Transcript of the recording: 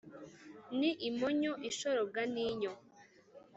ni imonyo, ibishorobwa n’inyo